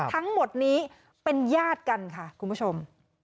ทั้งหมดนี้เป็นญาติกันค่ะคุณผู้ชม